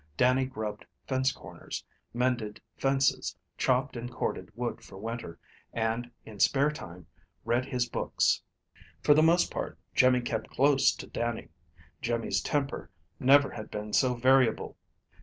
Dannie grubbed fence corners, mended fences, chopped and corded wood for winter, and in spare time read his books. For the most part Jimmy kept close to Dannie. Jimmy's temper never had been so variable.